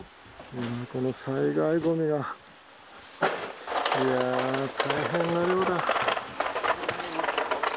この災害ごみは、いやー、大変な量だ。